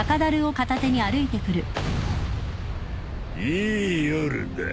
いい夜だ。